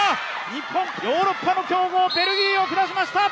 日本、ヨーロッパの強豪・ベルギーを下しました！